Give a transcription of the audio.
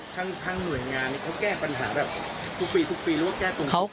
ทั้งหน่วยงานเขาแก้ปัญหาแบบทุกปีทุกปีหรือว่าแก้ตรงจุดไหมครับ